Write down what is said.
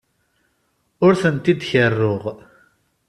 Ur tent-id-kerruɣ.